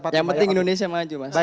yang penting indonesia maju